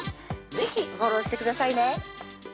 是非フォローしてくださいね